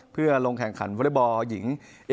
เพื่อลงแข่งขันวอเล็กบอลหญิง